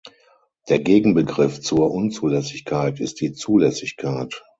Der Gegenbegriff zur Unzulässigkeit ist die Zulässigkeit.